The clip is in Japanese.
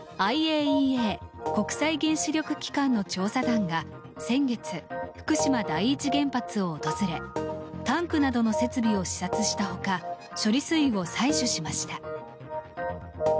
ＩＡＥＡ・国際原子力機関の調査団が先月、福島第一原発を訪れタンクなどの設備を視察した他処理水を採取しました。